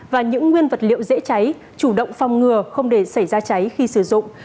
và những nguyên vật liệu dễ cháy chủ động phòng ngừa không để xảy ra cháy khi sử dụng